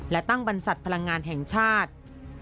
และตั้งบรรษัทพลังงานแห่งชาติ